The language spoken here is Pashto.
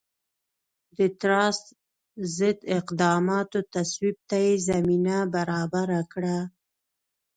د ټراست ضد اقداماتو تصویب ته یې زمینه برابره کړه.